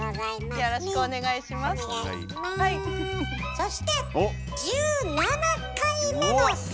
そして！